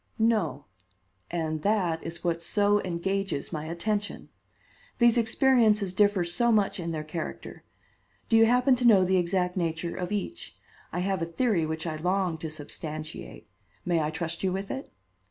"No; and that is what so engages my attention. These experiences differ so much in their character. Do you happen to know the exact nature of each? I have a theory which I long to substantiate. May I trust you with it?"